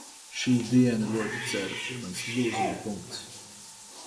Šī diena, ļoti ceru, ir mans lūzuma punkts.